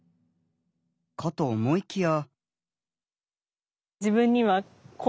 かと思いきや。